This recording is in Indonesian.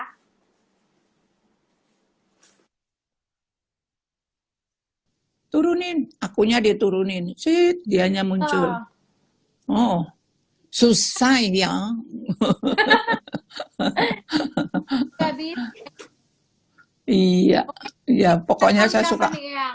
hai turunin akunya diturunin si dianya muncul oh susah ya hahaha iya iya pokoknya saya suka